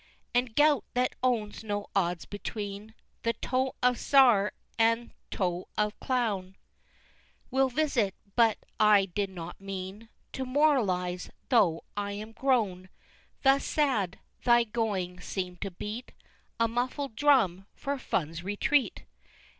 XIII. And gout, that owns no odds between The toe of Czar and toe of Clown, Will visit but I did not mean To moralize, though I am grown Thus sad, Thy going seem'd to beat A muffled drum for Fun's retreat!